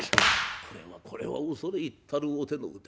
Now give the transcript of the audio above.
「これはこれは恐れ入ったるお手の腕。